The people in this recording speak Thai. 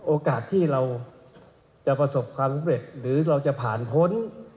โอกาสที่เราจะประสบความสำเร็จหรือเราจะผ่านพ้น